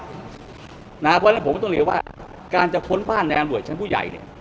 เพราะฉะนั้นผมก็ต้องเรียนว่าการจะค้นบ้านในอำรวจชั้นผู้ใหญ่เนี่ย